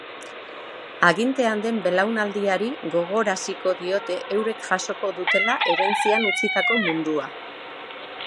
Agintean den belaunaldiari gogoraziko diote eurek jasoko dutela herentzian utzitako mundua.